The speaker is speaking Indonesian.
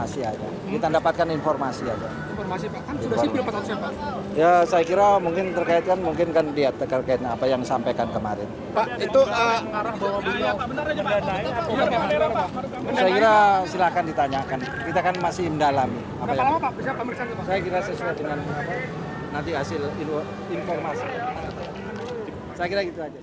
saya kira sesuai dengan nanti hasil informasi